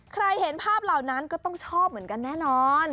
เห็นภาพเหล่านั้นก็ต้องชอบเหมือนกันแน่นอน